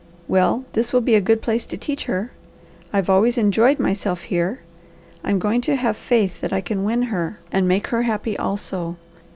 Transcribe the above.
Well this will be a good place to teach her. I've always enjoyed myself here. I'm going to have faith that I can win her and make her happy also.